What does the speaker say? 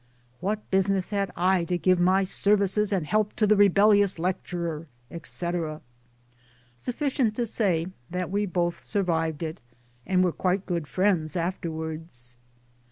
" What business had I to give my services and help to the rebellious lecturer? " etc. Sufficient to say that we both sur vived it, and were quite good friends afterwards.